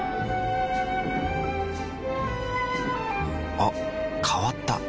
あ変わった。